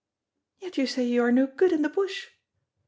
"Yet you say you are no good in the bush!"